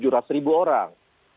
tujuh ratus ribu orang